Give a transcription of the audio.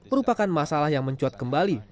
merupakan masalah yang mencuat kembali